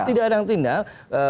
tidak ada yang tinggal